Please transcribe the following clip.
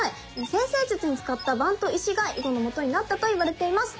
占星術に使った盤と石が囲碁の元になったといわれています。